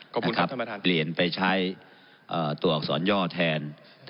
ขอบคุณครับท่านพระแทน